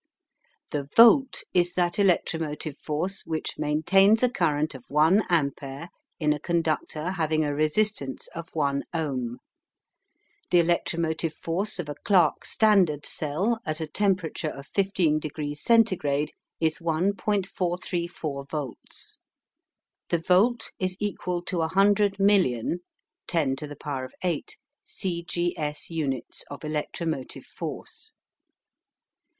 The Volt is that electromotive force which maintains a current of one ampere in a conductor having a resistance of one ohm. The electromotive force of a Clark standard cell at a temperature of 15 degrees centigrade is 1.434 volts. The volt is equal to a hundred million, 10^8, C. G. S. units of electromotive force.